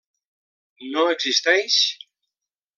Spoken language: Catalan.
No existeix?